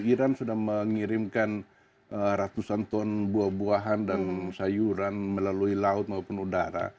iran sudah mengirimkan ratusan ton buah buahan dan sayuran melalui laut maupun udara